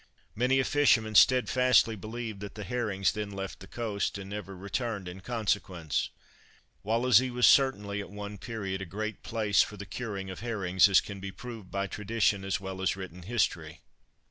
Many a fisherman steadfastly believed that the herrings then left the coast, and never returned in consequence. Wallasey was certainly, at one period, a great place for the curing of herrings, as can be proved by tradition as well as written history.